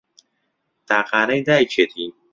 تاقانەی دایکیەتی